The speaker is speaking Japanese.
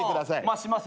増します。